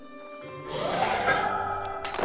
ほんとう！？